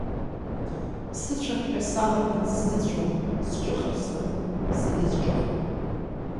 Сыцәап ҳәа салаган, сзыцәом, сҿыхар сҭахуп, сегьызҿыхом.